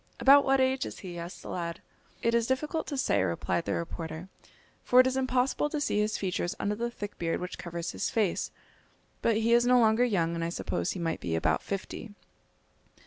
"About what age is he?" asked the lad. "It is difficult to say," replied the reporter; "for it is impossible to see his features under the thick beard which covers his face; but he is no longer young, and I suppose he might be about fifty."